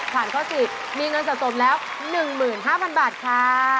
ผ่านข้อสิทธิ์มีเงินสะสมแล้ว๑๕๐๐๐บาทค่ะ